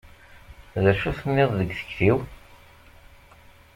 D acu tenniḍ deg tikti-w?